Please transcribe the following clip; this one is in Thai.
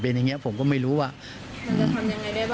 มันจะทำยังไงได้บ้าง